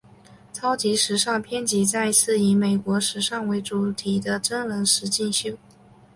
超级时尚编辑战是以美国时尚为主题的真人实境秀。